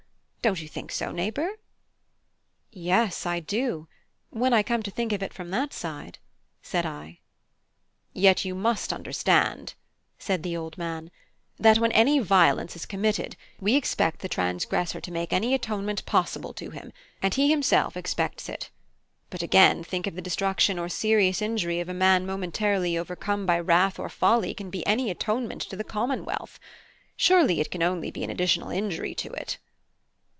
Don't you think so, neighbour?" "Yes, I do, when I come to think of it from that side," said I. "Yet you must understand," said the old man, "that when any violence is committed, we expect the transgressor to make any atonement possible to him, and he himself expects it. But again, think if the destruction or serious injury of a man momentarily overcome by wrath or folly can be any atonement to the commonwealth? Surely it can only be an additional injury to it."